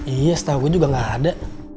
iya setahu juga gak ada